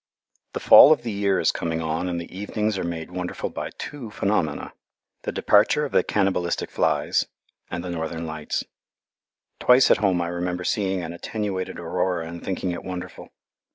The fall of the year is coming on and the evenings are made wonderful by two phenomena the departure of the cannibalistic flies, and the Northern lights. Twice at home I remember seeing an attenuated aurora and thinking it wonderful.